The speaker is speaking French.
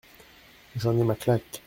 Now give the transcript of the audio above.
J’en ai ma claque.